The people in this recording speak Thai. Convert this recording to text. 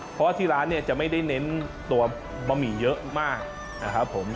เพราะว่าที่ร้านเนี่ยจะไม่ได้เน้นตัวบะหมี่เยอะมากนะครับผม